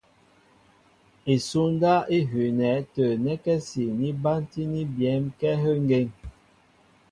Isúndáp í hʉʉnɛ tə̂ nɛ́kɛ́si ní bántíní byɛ̌m kɛ́ áhə́ ŋgeŋ.